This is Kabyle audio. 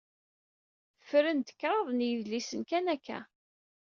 Fren-d kraḍ yedlisen kan akka.